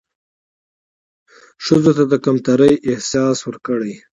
ښځو ته د کمترۍ احساس ورکړى